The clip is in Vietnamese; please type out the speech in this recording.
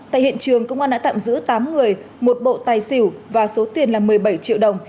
tại hiện trường công an đã tạm giữ tám người một bộ tài xỉu và số tiền là một mươi bảy triệu đồng